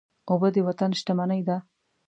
اوبه د وطن شتمني ده.